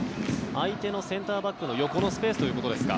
相手のセンターバックの横のスペースということですか。